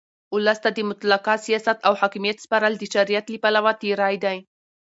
اولس ته د مطلقه سیاست او حاکمیت سپارل د شریعت له پلوه تېرى دئ.